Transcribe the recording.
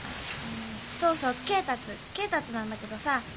そうそう恵達恵達なんだけどさぁ。